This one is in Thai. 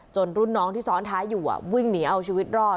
รุ่นน้องที่ซ้อนท้ายอยู่วิ่งหนีเอาชีวิตรอด